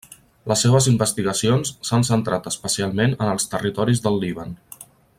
Les seves investigacions s'han centrat especialment en els territoris del Líban.